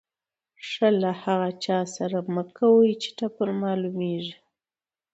ښه له هغه چا سره مه کوئ، چي نه پر معلومېږي.